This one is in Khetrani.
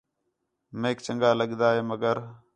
میک چنڳا لڳدا ہے مگر